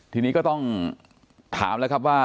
ทีนี้ก็ต้องถามแล้วครับว่า